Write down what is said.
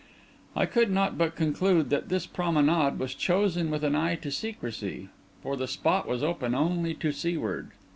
I could not but conclude that this promenade was chosen with an eye to secrecy; for the spot was open only to the seaward.